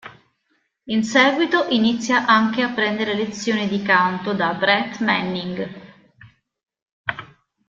In seguito inizia anche a prendere lezioni di canto da Brett Manning.